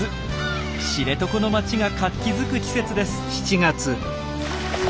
知床の町が活気づく季節です。